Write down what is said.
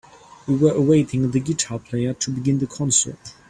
We were awaiting the guitar player to begin the concert.